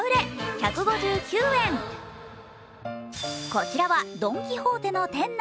こちらはドン・キホーテの店内。